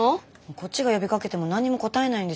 こっちが呼びかけても何も答えないんですよ。